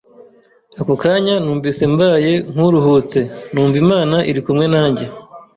ako kanya numvise mbaye nk’uruhutse, numva Imana iri kumwe nanjye